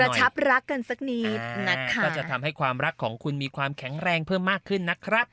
ชับรักกันสักนิดนะคะก็จะทำให้ความรักของคุณมีความแข็งแรงเพิ่มมากขึ้นนะครับ